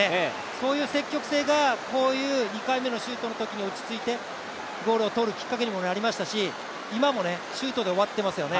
そういう積極性がこういう２回目のシュートのときに落ち着いてゴールを取るきっかけにもなりましたし、今もシュートで終わっていますよね。